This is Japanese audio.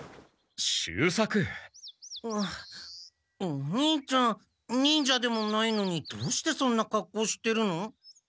お兄ちゃん忍者でもないのにどうしてそんなかっこうしてるの？